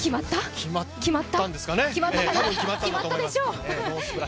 決まったでしょう。